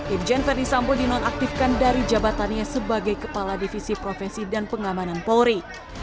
imjen ferdisampo dinonaktifkan dari jabatannya sebagai kepala divisi profesi dan pengamanan polri